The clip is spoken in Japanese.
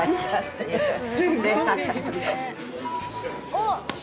おっ！